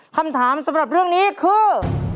คำถามสำหรับเรื่องนี้คือ